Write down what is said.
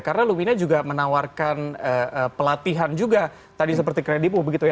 karena lumina juga menawarkan pelatihan juga tadi seperti kredipu begitu ya